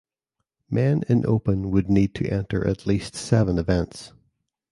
Men in open would need to enter at least seven events.